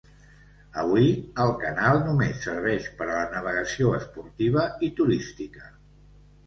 Avui, el canal només serveix per a la navegació esportiva i turística.